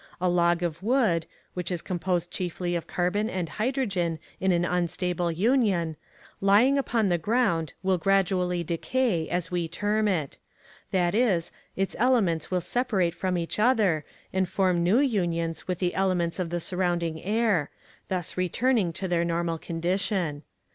A log of wood which is composed chiefly of carbon and hydrogen in an unstable union lying upon the ground will gradually decay, as we term it that is, its elements will separate from each other, and form new unions with the elements of the surrounding air, thus returning to their normal condition.